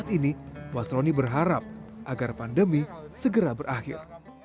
saat ini wasroni berharap agar pandemi segera berakhir